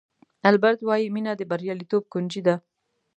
البرټ وایي مینه د بریالیتوب کونجي ده.